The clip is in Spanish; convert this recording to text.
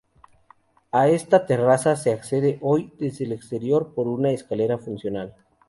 A esta terraza se accede hoy desde el exterior por una escalera funcional.